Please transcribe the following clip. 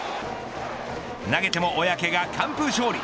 投げても小宅が完封勝利。